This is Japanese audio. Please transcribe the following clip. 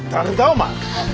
お前。